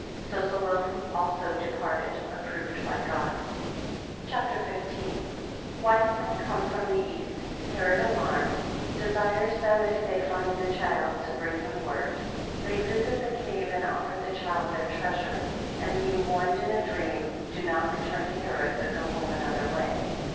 31 So Salome also departed, approved by God. CHAPTER XV. 1 Wise men come from the east. 3 Herod alarmed; 8 desires them if they find the child to bring him word. 10 They visit the cave and offer the child their treasure, 11 and being warned in a dream, do not return to Herod, but go home another way.